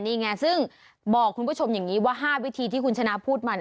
นี่ไงซึ่งบอกคุณผู้ชมอย่างนี้ว่า๕วิธีที่คุณชนะพูดมา